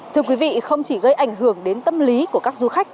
thưa quý vị không chỉ gây ảnh hưởng đến tâm lý của các du khách